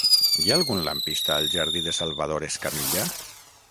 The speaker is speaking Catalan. Hi ha algun lampista al jardí de Salvador Escamilla?